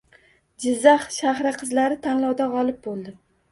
Jizzax shahri qizlari tanlovda g‘olib bo‘ldi